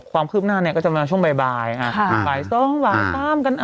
ความคืบหน้าเนี้ยก็จะมาช่วงบ่ายบ่ายค่ะบ่ายสองบ่ายสามกันอ่ะ